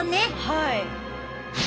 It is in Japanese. はい。